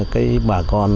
cái bà con